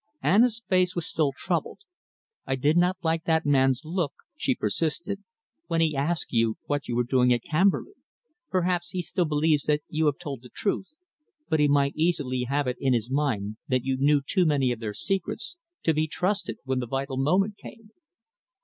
Anna's face was still troubled. "I did not like that man's look," she persisted, "when he asked you what you were doing at Camberley. Perhaps he still believes that you have told the truth, but he might easily have it in his mind that you knew too many of their secrets to be trusted when the vital moment came."